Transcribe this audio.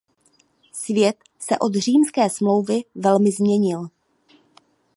Svět se od Římské smlouvy velmi změnil.